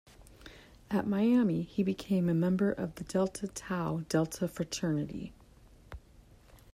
At Miami, he became a member of Delta Tau Delta fraternity.